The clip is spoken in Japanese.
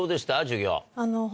授業。